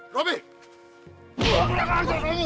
kurang aja kamu